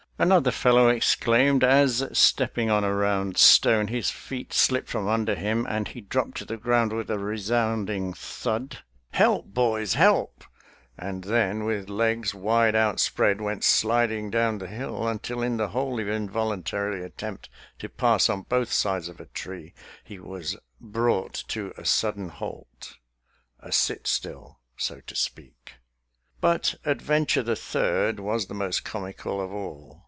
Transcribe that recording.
Another fellow exclaimed, as, step ping on a round stone, his feet slipped from un der him and he dropped to the ground with a resounding thud, " Help, boys, help !" and then, with legs wide outspread, went sliding down the hill, until, in the wholly involuntary attempt to pass on both sides of a tree, he was brought to a sudden halt — a sit still, so to speak. But ad venture the third was the most comical of all.